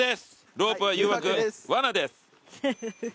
ロープは誘惑わなです。